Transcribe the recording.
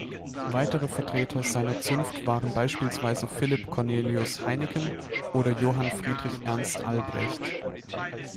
Weitere Vertreter seiner Zunft waren beispielsweise Philipp Cornelius Heineken oder Johann Friedrich Ernst Albrecht.